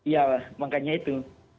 ya lah makanya itu